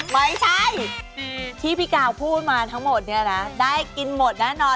ไม่ใช่ที่พี่กาวพูดมาทั้งหมดเนี่ยนะได้กินหมดแน่นอน